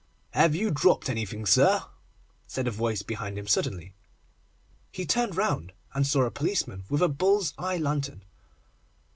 'Have you dropped anything, sir?' said a voice behind him suddenly. He turned round, and saw a policeman with a bull's eye lantern.